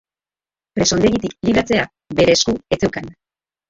Presondegitik libratzea bere esku ez zeukan.